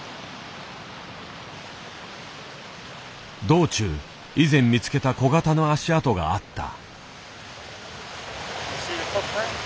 道中以前見つけた小型の足跡があった。